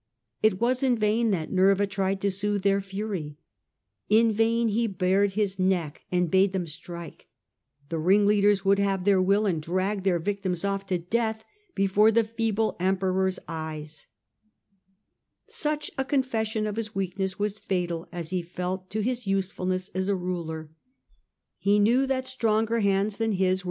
It was in vain that Nerva tried to soothe their fury ; in vain he bared his neck and bade them strike ; the ringleaders would have their will, and dragged their caused the victims off to death before the feeble Emperor's ^ confession of his weakness was j^ruemd he felt, to his usefulness as a ruler, successor He knew that stronger hands than his were 97.